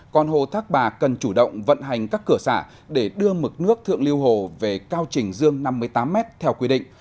còn hồ thác bà cần chủ động vận hành các cửa xả để đưa mực nước thượng lưu hồ về cao trình dương năm mươi tám m theo quy định